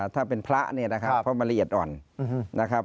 ถ้าเป็นพระเนี่ยนะครับเพราะมันละเอียดอ่อนนะครับ